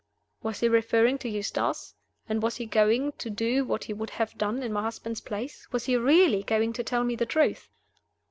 Was he referring to Eustace? And was he going to do what he would have done in my husband's place? was he really going to tell me the truth?